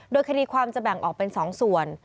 โดยคดีความจะแบ่งออกเป็น๒ส่วน